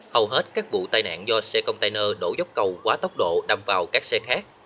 hầu hết các vụ tai nạn do xe container đổ dốc cầu quá tốc độ đâm vào các xe khác